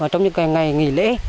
trong những ngày nghỉ lễ